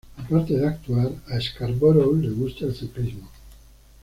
Aparte de actuar, a Scarborough le gusta el ciclismo.